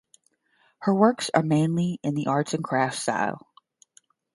Her works are mainly in the Arts and Crafts style.